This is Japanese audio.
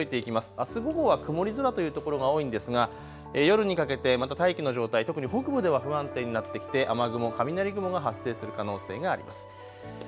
あす午後は曇り空というところが多いんですが夜にかけて大気の状態、特に北部では不安定になってきて雨雲、雷雲が発生する可能性があります。